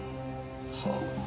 はあ。